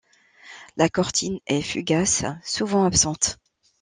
La cortine est fugace, souvent absente.